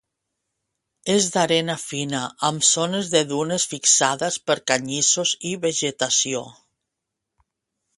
És d'arena fina, amb zones de dunes fixades per canyissos i vegetació.